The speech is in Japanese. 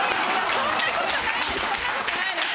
そんな事ないです！